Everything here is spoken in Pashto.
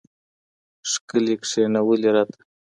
ښكلي كښېـنولي راته